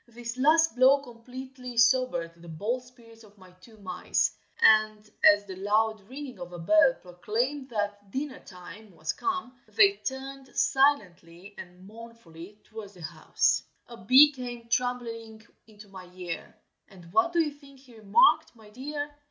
This last blow completely sobered the bold spirits of my two mice, and as the loud ringing of a bell proclaimed that dinner time was come, they turned silently and mournfully towards the house. A bee came tumbling into my ear, And what do you think he remarked, my dear?